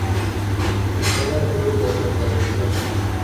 Entrada Libre por remodelación